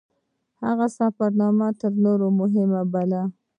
هغه سفرنامه تر نورو مهمه بولي.